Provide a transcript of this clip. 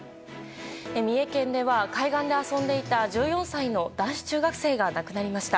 三重県では、海岸で遊んでいた１４歳の男子中学生が亡くなりました。